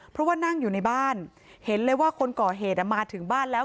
เพราะว่านั่งอยู่ในบ้านเห็นเลยว่าคนก่อเหตุมาถึงบ้านแล้ว